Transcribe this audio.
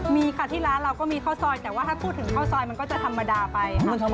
มีค่ะที่ร้านเราก็มีข้าวซอยแต่ว่าถ้าพูดถึงข้าวซอยมันก็จะธรรมดาไป